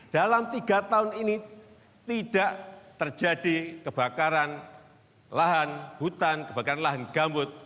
dalam tiga tahun ini tidak terjadi kebakaran lahan hutan kebakaran lahan gambut